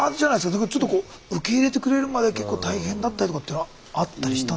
だから受け入れてくれるまで結構大変だったりとかっていうのはあったりしたんですか。